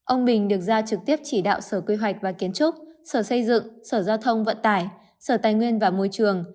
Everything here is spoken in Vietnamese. ông bình được ra trực tiếp chỉ đạo sở quy hoạch và kiến trúc sở xây dựng sở giao thông vận tải sở tài nguyên và môi trường